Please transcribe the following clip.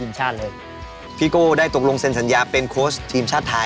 มาก่อนเก่งนะครับ